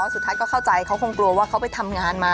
สุดท้ายก็เข้าใจเขาคงกลัวว่าเขาไปทำงานมา